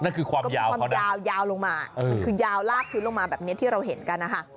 นั่นคือความยาวเขานะคือความยาวยาวลงมาคือยาวลากพื้นลงมาแบบนี้ที่เราเห็นกันนะคะ